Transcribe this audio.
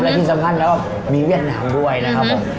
และที่สำคัญแล้วก็มีเวียดนามด้วยนะครับผม